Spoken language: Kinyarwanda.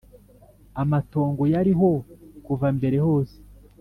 amatongo yariho kuva mbere hose.